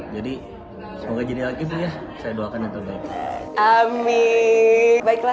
jadi semoga jadi lagi punya sentuhan khusus barah dunia